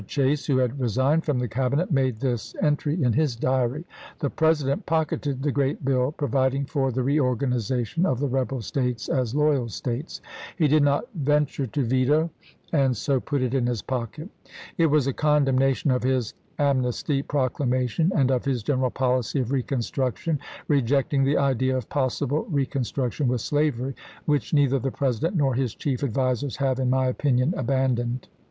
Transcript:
Chase, who had resigned from the Cabinet, made this entry in his diary :" The President pocketed the great bill pro viding for the reorganization of the rebel States as loyal States. He did not venture to veto, and 124 ABRAHAM LINCOLN Warden, " Life of 8almon P. Chase," p. 623. so put it in his pocket. It was a condemnation of his amnesty proclamation and of his general policy of reconstruction, rejecting the idea of possible re construction with slavery, which neither the Presi dent nor his chief advisers have, in my opinion, abandoned."